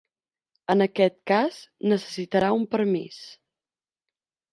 En aquest cas necessitarà un permís.